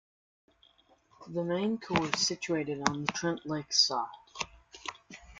The main core is situated on the Trent Lakes side.